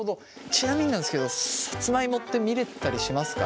ちなみになんですけどさつまいもって見れたりしますか？